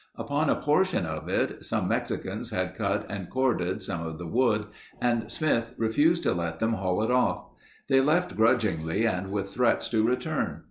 Upon a portion of it, some Mexicans had cut and corded some of the wood and Smith refused to let them haul it off. They left grudgingly and with threats to return.